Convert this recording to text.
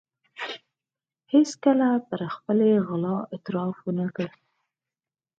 هېڅکله پر خپلې غلا اعتراف و نه کړ.